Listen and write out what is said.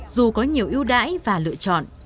dù có nhiều ưu đãi và lựa chọn